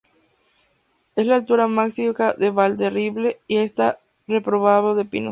Es la altura máxima de Valderredible y está repoblado de pinos.